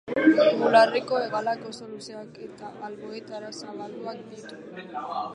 Bularreko hegalak oso luzeak eta alboetara zabalduak ditu.